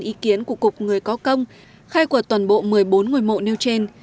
ý kiến của cục người có công khai quật toàn bộ một mươi bốn ngôi mộ nêu trên